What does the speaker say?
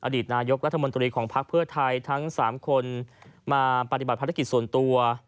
อดีตนายกรัฐมนตรีของพักเพื่อไทยทั้ง๓คนมาปฏิบัติภารกิจส่วนตัว